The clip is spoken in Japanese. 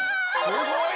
すごい！